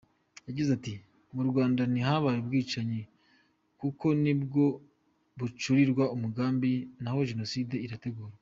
Yagize ati "Mu Rwanda ntihabaye ubwicanyi kuko nibwo bucurirwa umugambi naho Jenoside igategurwa.